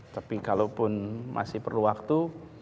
tapi kalaupun masih perlu waktu